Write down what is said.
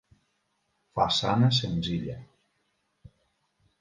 Façana senzilla.